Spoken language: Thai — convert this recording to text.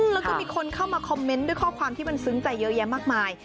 แล้วก็มีคนเข้ามาคอมเมนต์ด้วยข้อความที่มันซึ้งใจเยอะแยะมากมาย